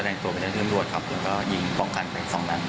รอวินรวดเลยหรืออะไร